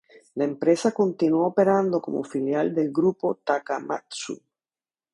La empresa continúa operando como filial del grupo Takamatsu.